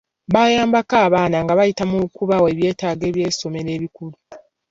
Bayambako abaana nga bayita mu kubawa ebyetaago by'essomero ebikulu.